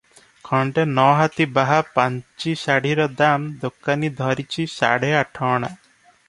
ଖଣ୍ଡେ ନ'ହାତି ବାହା ପାଞ୍ଚି ଶାଢ଼ୀର ଦାମ ଦୋକାନି ଧରିଛି ସାଢେ ଆଠଅଣା ।